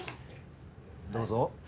どうぞ。